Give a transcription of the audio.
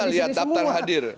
kita lihat daftar hadir